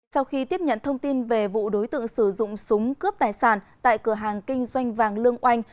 sau khi tiếp nhận thông tin về vụ đối tượng sử dụng súng cướp tài sản tại cửa hàng kinh doanh vàng lương oanh